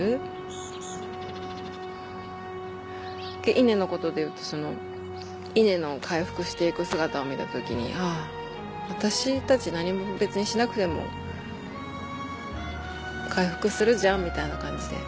稲のことで言うと稲の回復して行く姿を見た時に「あぁ私たち何も別にしなくても回復するじゃん」みたいな感じで。